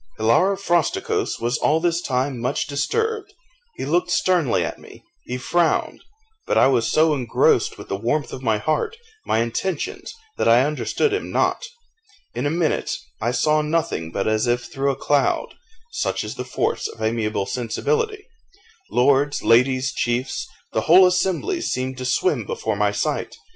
Hilaro Frosticos was all this time much disturbed; he looked sternly at me he frowned, but I was so engrossed with the warmth of my heart, my intentions, that I understood him not: in a minute I saw nothing but as if through a cloud (such is the force of amiable sensibility) lords, ladies, chiefs the whole assembly seemed to swim before my sight.